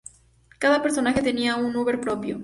Cada personaje tenía un Uber "propio".